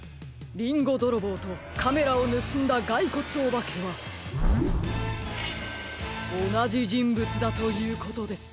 リンゴどろぼうとカメラをぬすんだがいこつおばけはおなじじんぶつだということです！